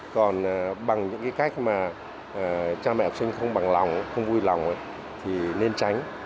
còn bằng những cái cách mà cha mẹ học sinh không bằng lòng không vui lòng thì nên tránh